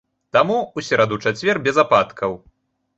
Таму ў сераду-чацвер без ападкаў.